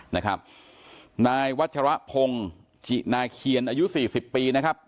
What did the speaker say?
นายวัชรพงศ์จินาเคียนอายุสี่สิบปีนะครับ